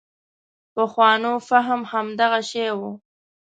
پخوانو فهم همدغه شی و.